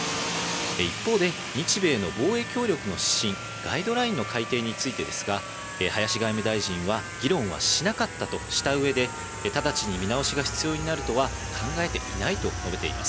一方で、日米の防衛協力の指針、ガイドラインの改定についてですが、林外務大臣は、議論はしなかったとした上で、直ちに見直しが必要になるとは考えていないと述べています。